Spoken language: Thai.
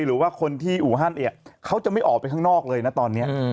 หรือว่าคนที่อู่ฮั่นเนี่ยเขาจะไม่ออกไปข้างนอกเลยนะตอนนี้